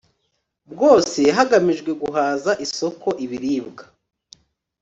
bwose hagamijwe guhaza isoko ibiribwa